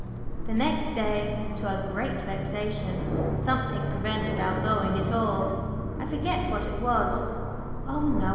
The next day, to our great vexation, something prevented our going at all I forget what it was oh no!